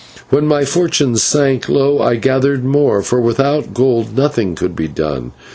When my fortune sank low I gathered more, for without gold nothing could be done.